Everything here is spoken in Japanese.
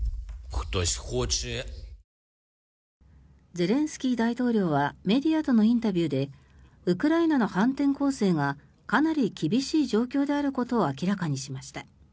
ゼレンスキー大統領はメディアとのインタビューでウクライナの反転攻勢がかなり厳しい状況であることを明らかにしました。